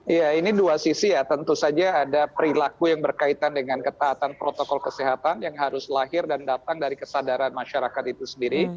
iya ini dua sisi ya tentu saja ada perilaku yang berkaitan dengan ketaatan protokol kesehatan yang harus lahir dan datang dari kesadaran masyarakat itu sendiri